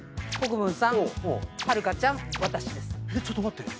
ちょっと待って。